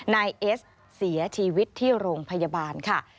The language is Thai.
นายเอสเสียชีวิตที่โรงพยาบาลค่ะ